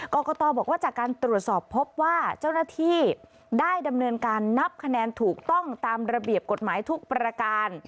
กรกตบอกว่าจากการตรวจสอบพบว่าเจ้าหน้าที่ได้ดำเนินการนับคะแนนถูกต้องตามระเบียบกฎหมายทุกประการ